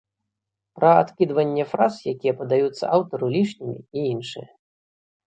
Пра адкідванне фраз, якія падаюцца аўтару лішнімі і іншае.